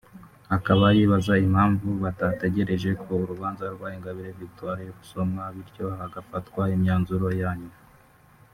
akaba yibaza impamvu batategereje ko urubanza rwa Ingabire Victoire rusomwa bityo hagafatwa imyanzuro ya nyuma